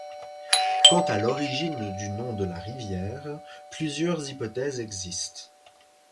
Quant à l'origine du nom de la rivière, plusieurs hypothèses existent.